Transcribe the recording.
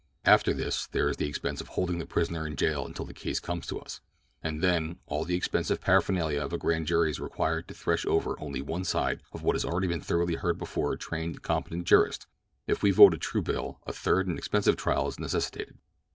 After this there is the expense of holding the prisoner in jail until his case comes to us, and then all the expensive paraphernalia of a grand jury is required to thresh over only one side of what has already been thoroughly heard before a trained and competent jurist. If we vote a true bill a third expensive trial is necessitated."